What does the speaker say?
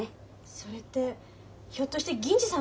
それってひょっとして銀次さんのこと？